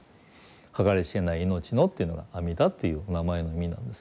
「計り知れない命の」というのが阿弥陀という名前の意味なんですね。